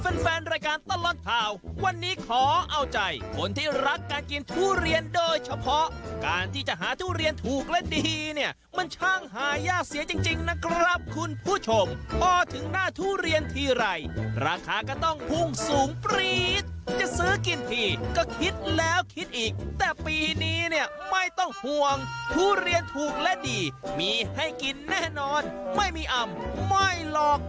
แล้วคิดอีกแต่ปีนี้เนี่ยไม่ต้องห่วงทุเรียนถูกและดีมีให้กินแน่นอนไม่มีอ่ำไม่หลอก